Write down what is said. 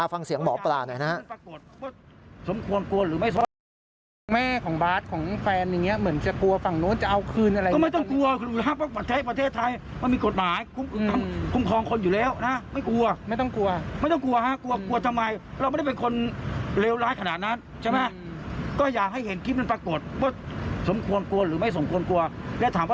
ฟังเสียงหมอปลาหน่อยนะครับ